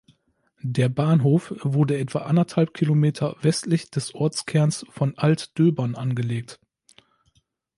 Der Bahnhof wurde etwa anderthalb Kilometer westlich des Ortskerns von Altdöbern angelegt.